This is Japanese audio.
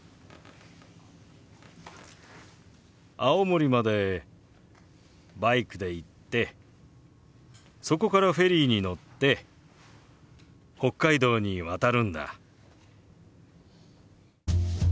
青森までバイクで行ってそこからフェリーに乗って北海道に渡るんだ。